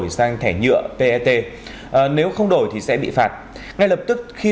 xin chào và hẹn gặp lại